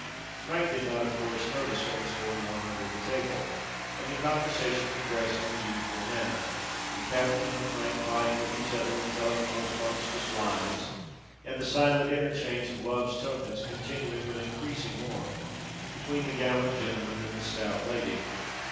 Frank did not of course notice what was going on under the table, and the conversation progressed in the usual manner—the captain and Frank vieing with each other in telling the most monstrous lies, and the silent interchange of love's tokens continuing with increasing warmth between the gallant gentleman and the stout lady.